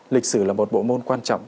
lịch sử là một bộ môn quan trọng